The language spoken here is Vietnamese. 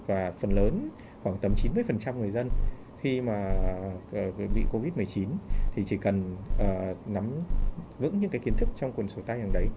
và phần lớn khoảng tầm chín mươi người dân khi mà bị covid một mươi chín thì chỉ cần nắm vững những cái kiến thức trong quần sổ tăng đấy